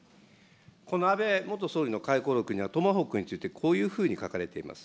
この安倍元総理の回顧録には、トマホークについて、こういうふうに書かれています。